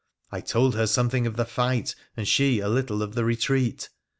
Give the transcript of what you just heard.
I told her something of the fight, and she a little of the retreat.